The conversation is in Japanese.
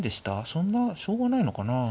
そんなしょうがないのかな。